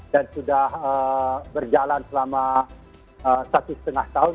dan sudah berjalan selama satu setengah tahun